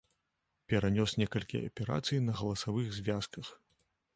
Перанёс некалькі аперацый на галасавых звязках.